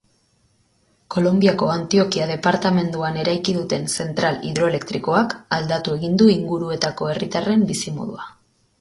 Kolonbiako Antioquia departamenduan eraiki duten zentral hidroelektrikoak aldatu egin du inguruetako herritarren bizimodua.